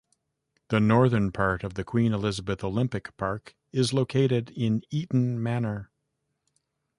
The northern part of the Queen Elizabeth Olympic Park is located in Eton Manor.